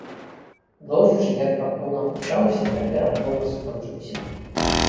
Дождж як раптоўна пачаўся, так і раптоўна скончыўся.